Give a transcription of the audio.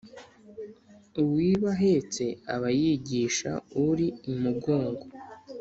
Uwiba ahetse aba yigisha uri imugongo.